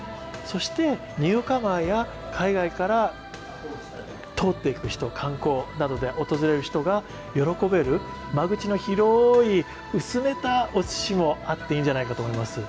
そしてニューカマーや海外から通っていく人観光などで訪れる人が喜べる間口の広い薄めたお鮨もあっていいんじゃないかと思います。